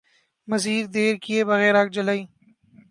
مزید دیر کئے بغیر آگ جلائی ۔